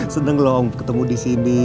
seneng lho om ketemu di sini